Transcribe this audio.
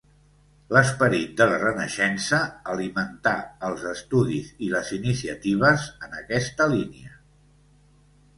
L'esperit de la Renaixença alimentà els estudis i les iniciatives en aquesta línia.